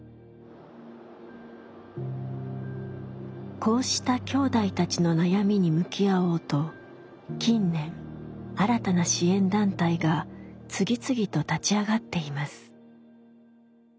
こうしたきょうだいたちの悩みに向き合おうと近年新たな支援団体が次々と立ち上がっています。